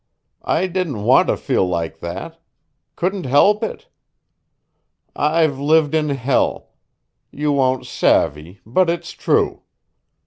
I didn't want to feel like that. Couldn't help it. I've lived in hell you won't savvy, but it's true.